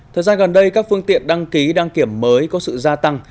thời gian gần đây các phương tiện đăng ký đăng kiểm mới có sự gia tăng